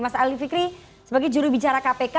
mas ali fikri sebagai juri bicara kpk